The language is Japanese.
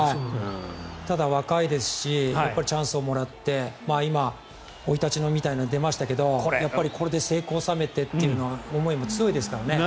ただ、若いですしチャンスをもらって今、生い立ちみたいなのが出ましたがこれで成功を収めてという思いも強いですからね。